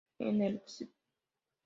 En el St.